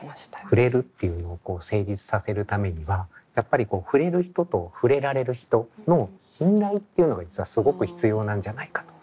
ふれるっていうのを成立させるためにはやっぱりふれる人とふれられる人の信頼っていうのが実はすごく必要なんじゃないかと。